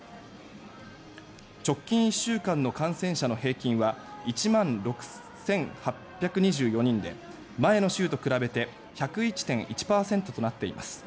直近１週間の感染者の平均は１万６８２４人で前の週と比べて１０１．１％となっています。